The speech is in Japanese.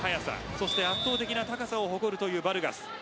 そして圧倒的な高さを誇るバルガス。